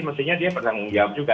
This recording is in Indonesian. mestinya dia bertanggung jawab juga